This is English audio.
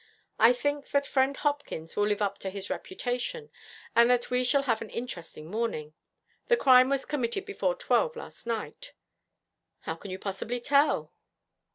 I think that friend Hopkins will live up to his reputation, and that we shall have an interesting morning. The crime was committed before twelve last night.' 'How can you possibly tell?'